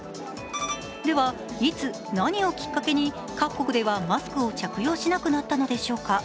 では、いつ、何をきっかけに各国ではマスクを着用しなくなったのでしょうか。